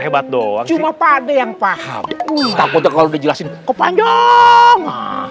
hebat doang cuma pak re yang paham kalau dijelasin kok panjang